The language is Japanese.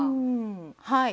はい。